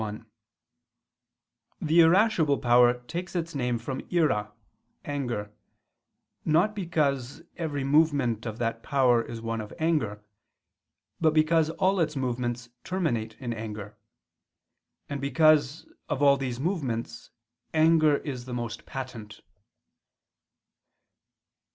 1: The irascible power takes its name from "ira" (anger), not because every movement of that power is one of anger; but because all its movements terminate in anger; and because, of all these movements, anger is the most patent.